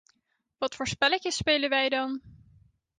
Wat voor spelletje spelen wij dan?